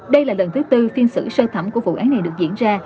đây là lần thứ tư phiên xử sơ thẩm của vụ án này được diễn ra